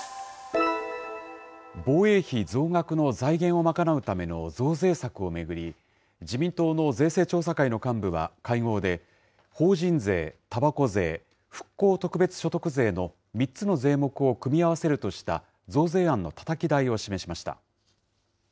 防衛費増額の財源を賄うための増税策を巡り、自民党の税制調査会の幹部は会合で、法人税、たばこ税、復興特別所得税の３つの税目を組み合わせるとした増税案のたたき台を示しました。